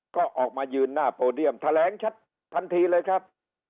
ก็ออกมายืนหน้าโปรเดียมแถลงชัดทันทีเลยครับ